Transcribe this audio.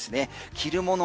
着るもの